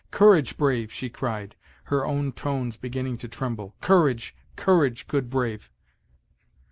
"Courage, Brave!" she cried, her own tones beginning to tremble, "courage, courage, good Brave!"